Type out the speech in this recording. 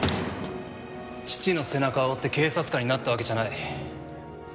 父の背中を追って警察官になったわけじゃない。